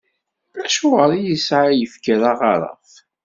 Acuɣer i yesɛa yifker aɣaref?